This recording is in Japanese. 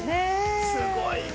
すごいな。